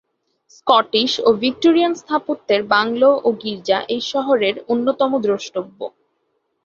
Scottish ও Victorian স্থাপত্যের bungalow ও গির্জা এই শহরের অন্যতম দ্রষ্টব্য।